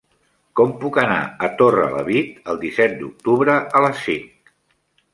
Com puc anar a Torrelavit el disset d'octubre a les cinc?